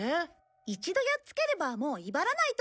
一度やっつければもう威張らないと思うから。